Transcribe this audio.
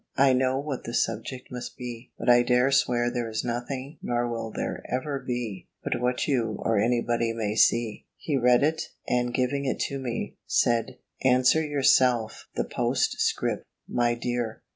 I know what the subject must be; but I dare swear there is nothing, nor will there ever be, but what you or any body may see." He read it, and giving it to me, said, "Answer yourself the postscript, my dear."